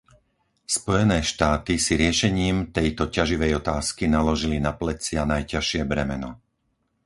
Spojené štáty si riešením tejto ťaživej otázky naložili na plecia najťažšie bremeno.